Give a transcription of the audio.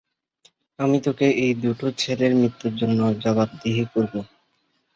আমি- তোকে ওই দুটো ছেলের মৃত্যুর জন্য জবাবদিহি করাবো।